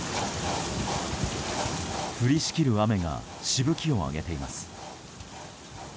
降りしきる雨がしぶきを上げています。